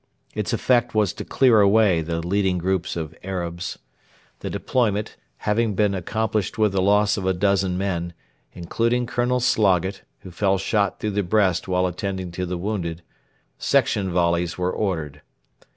Its effect was to clear away the leading groups of Arabs. The deployment having been accomplished with the loss of a dozen men, including Colonel Sloggett, who fell shot through the breast while attending to the wounded, section volleys were ordered.